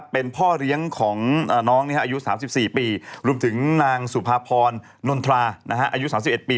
เป็นพ่อเลี้ยงของน้องอายุ๓๔ปีรวมถึงนางสุภาพรนนทราอายุ๓๑ปี